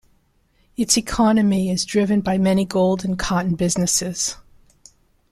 Its economy is driven by many gold and cotton businesses.